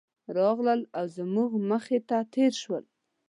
راغلل او زموږ مخې ته تېر شول.